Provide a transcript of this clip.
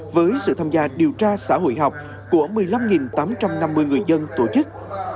với sự tham gia điều tra xã hội học của một mươi năm tám trăm năm mươi người dân tổ chức